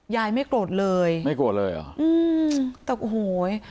ยายไม่โกรธเลยไม่โกรธเลยหรอ